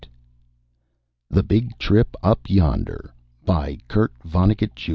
net THE BIG TRIP UP YONDER By KURT VONNEGUT, JR.